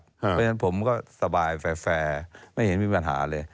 เพราะฉะนั้นผมก็สบายแฟร์ไม่เห็นมีปัญหาเลย